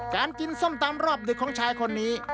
การกินส้มตำรอบดึกของชายคนนี้